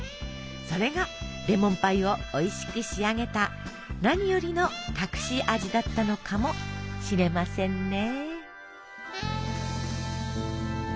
それがレモンパイをおいしく仕上げた何よりの隠し味だったのかもしれませんね。